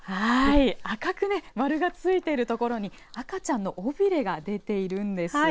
赤く丸が付いている所に赤ちゃんの尾びれが出ているんです。